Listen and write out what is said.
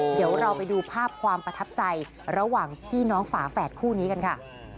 เดี๋ยวเราไปดูภาพความประทับใจระหว่างพี่น้องฝาแฝดคู่นี้กันค่ะ